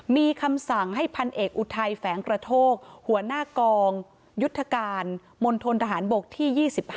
มีคำสั่งให้พันเอกอุทัยแฝงกระโทกหัวหน้ากองยุทธการมณฑนทหารบกที่๒๕